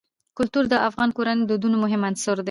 کلتور د افغان کورنیو د دودونو مهم عنصر دی.